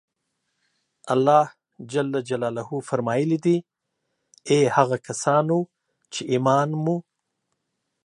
الله جل جلاله فرمایلي دي: اې هغه کسانو چې ایمان مو